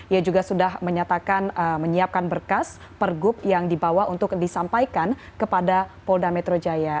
ia juga sudah menyatakan menyiapkan berkas pergub yang dibawa untuk disampaikan kepada polda metro jaya